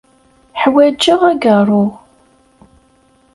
Ḥwaǧeɣ agaṛṛu.